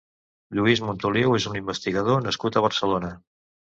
Lluis Montoliu és un investigador nascut a Barcelona.